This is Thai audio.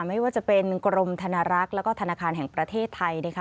ไม่ว่าจะเป็นกรมธนารักษ์แล้วก็ธนาคารแห่งประเทศไทยนะคะ